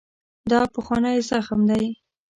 دا پخوانی زخم دی.